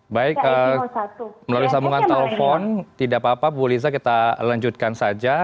baik melalui sambungan telepon tidak apa apa bu liza kita lanjutkan saja